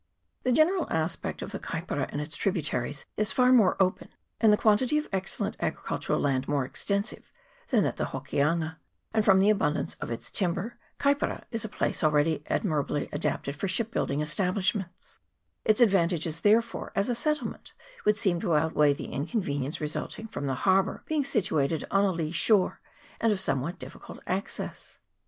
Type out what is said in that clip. The general aspect of the Kaipara and its tri butaries is far more open, and the quantity of excel lent agricultural land more extensive, than at the Hokianga, and, from the abundance of its timber, Kaipara is a place admirably adapted for ship build ing establishments ; its advantages, therefore, as a settlement, would seem to outweigh the inconveni ence resulting from the harbour being situated on a lee shore and of somewhat difficult access.